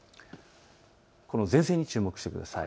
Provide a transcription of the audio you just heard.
前線に注目してください。